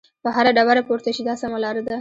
په هره ډبره پورته شئ دا سمه لار ده.